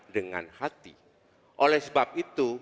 dengan hati oleh sebab itu